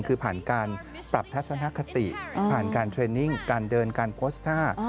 คือผ่านการปรับทัศนคติผ่านการเทรนนิ่งการเดินการโพสต์ท่า